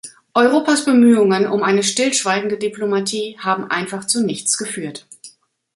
Europas Bemühungen um eine stillschweigende Diplomatie haben einfach zu nichts geführt.